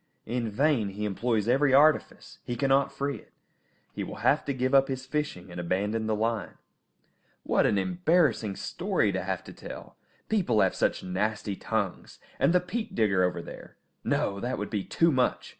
In vain he employs every artifice; he cannot free it. He will have to give up his fishing and abandon the line. What an embarrassing story to have to tell! People have such nasty tongues. And the peat digger over there! No, that would be too much!